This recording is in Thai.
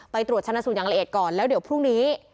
ตรวจชนะสูตรอย่างละเอียดก่อนแล้วเดี๋ยวพรุ่งนี้